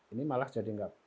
ini malah jadi enggak